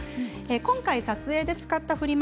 今回撮影で使ったフリマ